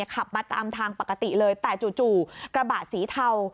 ขับมาตามทางปกติเลยแต่จู่กระบะสีเทา